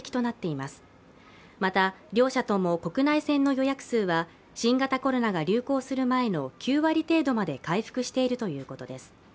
また、両者とも国内線の予約数は新型コロナが流行する前の９割程度まで回復しているということです。